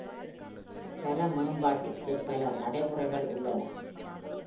தர மேம்பாட்டிற்கு பல நடைமுறைகள் உள்ளன.